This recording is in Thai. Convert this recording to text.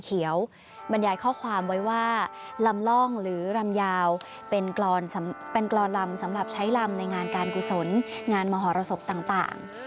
เสียดายดิความเสียดายน้ำตาพังเป็นสายเล็กสลายในยาม